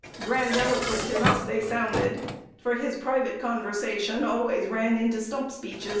Grandiloquent enough they sounded; for his private conversation always ran into stump speeches.